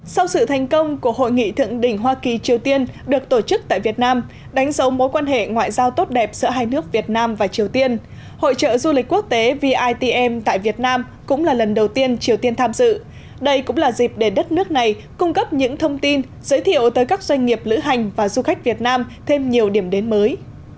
sau sự thành công của hội nghị thượng đỉnh hoa kỳ triều tiên được tổ chức tại việt nam đánh dấu mối quan hệ ngoại giao tốt đẹp giữa hai nước việt nam và triều tiên hội trợ du lịch quốc tế vitm tại việt nam cũng là lần đầu tiên triều tiên tham dự đây cũng là dịp để đất nước này cung cấp những thông tin giới thiệu tới các doanh nghiệp lữ hành và du khách việt nam thêm nhiều điểm đến mới